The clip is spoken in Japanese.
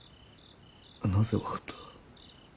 なぜ分かった。